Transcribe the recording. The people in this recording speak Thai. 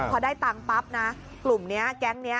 พอได้ตังค์ปั๊บนะกลุ่มนี้แก๊งนี้